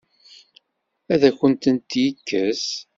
Ad akent-tt-yekkes?